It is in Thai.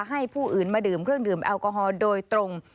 ให้ผู้อื่นมาดื่มเครื่องดื่มแอลกอฮอลโดยตรง